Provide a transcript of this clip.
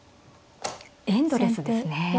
エンドレスですね。